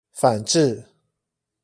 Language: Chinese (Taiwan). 反智